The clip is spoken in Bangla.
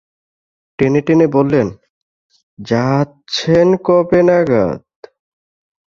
টেনে-টেনে বললেন, যাচ্ছেন কবে নাগাদ?